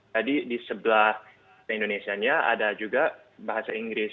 jadi di sebelah indonesia nya ada juga bahasa inggris